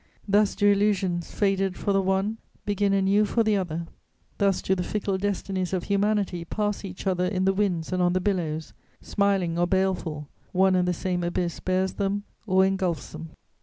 Thus do illusions, faded for the one, begin anew for the other; thus do the fickle destinies of humanity pass each other in the winds and on the billows: smiling or baleful, one and the same abyss bears them or engulfs them.